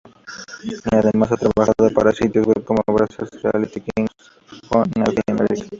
Además, ha trabajado para sitios web como Brazzers, Reality Kings o Naughty America.